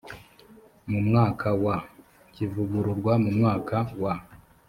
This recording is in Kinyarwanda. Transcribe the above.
mu mwaka wa kivugururwa mu mwaka wa